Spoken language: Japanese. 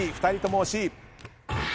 ２人とも惜しい。